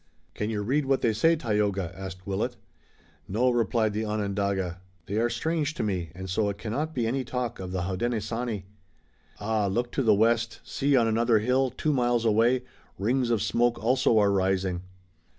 "Can you read what they say, Tayoga?" asked Willet. "No," replied the Onondaga. "They are strange to me, and so it cannot be any talk of the Hodenosaunee. Ah, look to the west! See, on another hill, two miles away, rings of smoke also are rising!"